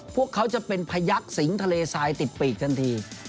พวกเขาจะเป็นพยักษ์สิงทะเลทรายติดปีกทันที